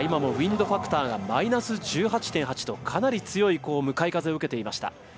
ウインドファクターがマイナス１８．８とかなり強い向かい風を受けていました。